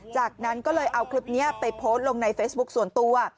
จากนั้นก็เลยเอาคลิปนี้ไปโพสต์ลงในเฟซบุ๊คส่วนตัว